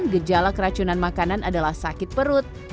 gejala keracunan makanan adalah sakit perut